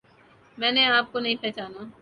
میں نے آپ کو نہیں پہچانا